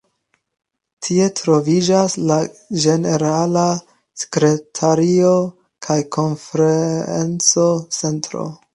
Tie troviĝas la ĝenerala sekretario kaj konferenco-centro.